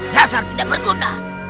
dasar tidak berguna